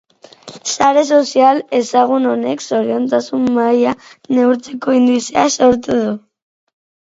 Sare sozial ezagun honek zoriontasun maila neurtzeko indizea sortu du.